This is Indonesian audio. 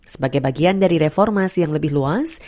sebagai bagian dari reformasi yang lebih luas